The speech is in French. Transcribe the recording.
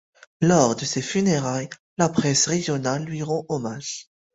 Lors de ses funérailles, la presse régionale lui rend hommage.